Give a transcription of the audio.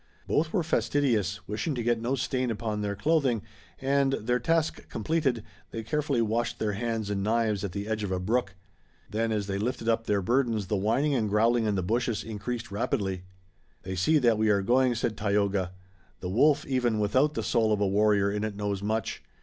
Both were fastidious, wishing to get no stain upon their clothing, and, their task completed, they carefully washed their hands and knives at the edge of a brook. Then as they lifted up their burdens the whining and growling in the bushes increased rapidly. "They see that we are going," said Tayoga. "The wolf even without the soul of a warrior in it knows much.